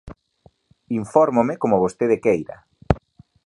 Infórmome como vostede queira.